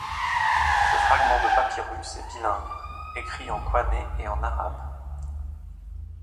Ce fragment de papyrus est bilingue, écrit en koiné et en arabe.